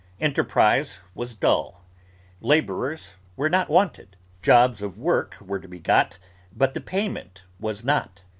Enterprise was dull; labourers were not wanted; jobs of work were to be got, but the payment was not.